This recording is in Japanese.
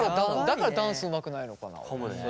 だからダンスうまくないのかな。かもね。